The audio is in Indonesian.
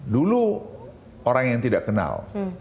dulu orang yang tidak kenal